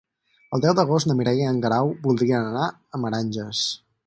El deu d'agost na Mireia i en Guerau voldrien anar a Meranges.